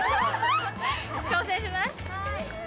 挑戦します。